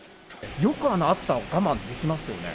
よくあの暑さを我慢できますよね。